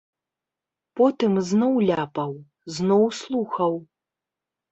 Потым зноў ляпаў, зноў слухаў.